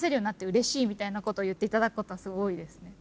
みたいなことを言っていただくことがすごい多いですね。